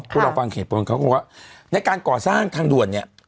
พวกเราฟังเหตุผลเขาก็บอกว่าในการก่อสร้างทางด่วนเนี่ย